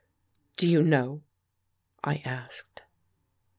"Do you know?" I asked.